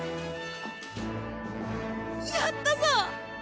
やったぞ！